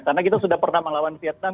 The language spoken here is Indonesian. karena kita sudah pernah melawan vietnam